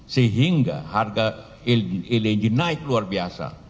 sehingga harga eligi naik luar biasa